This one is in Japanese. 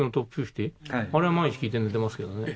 あれは毎日聴いて寝てますけどね。